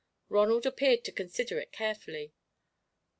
Ronald appeared to consider it carefully.